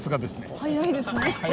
早いですね。